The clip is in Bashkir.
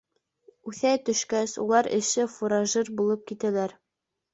Үҫә төшкәс, улар эшсе-фуражер булып китәләр.